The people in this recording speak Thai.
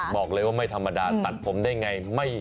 บอกเลยว่าไม่ธรรมดาตัดผมได้ไง